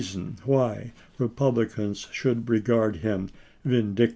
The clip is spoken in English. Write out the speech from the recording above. son why Republicans should regard him vindic Dec.